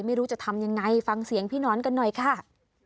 ไม่รู้จะทำยังไงฟังเสียงพี่นอนกันหน่อยค่ะ